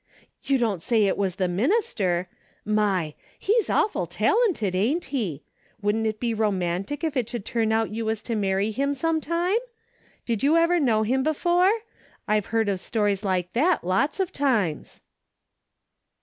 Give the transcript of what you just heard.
You don't say it was the minister ! My I He's awful talented, ain't he ? Wouldn't it be romantic if it should turn out you was to marry him some time ? Did you ever know him before ? I've heard of stories like that lots of times."